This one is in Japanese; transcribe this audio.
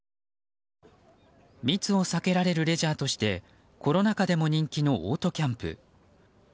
密を避けられるレジャーとしてコロナ禍でも人気のオートキャンプ。